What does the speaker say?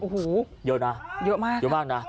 โอ้โหเยอะนะเยอะมากนะ